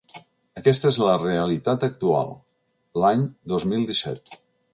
Aquesta és la realitat actual, l’any dos mil disset.